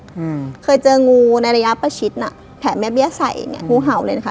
อืมเคยเจองูในระยะประชิดน่ะแผ่แม่เบี้ยใส่อย่างเงี้งูเห่าเลยนะคะ